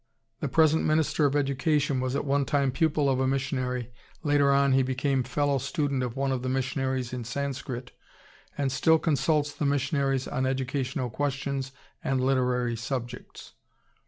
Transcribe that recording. The present Minister of Education was at one time pupil of a missionary, later on he became fellow student of one of the missionaries in Sanscrit, and still consults the missionaries on educational questions and literary subjects.